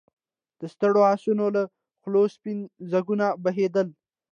د ستړو آسونو له خولو سپين ځګونه بهېدل.